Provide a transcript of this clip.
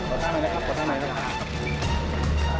ที่คุณจะปกป้องกันในแรกหากคุณไม่มีเกี่ยวกับเรา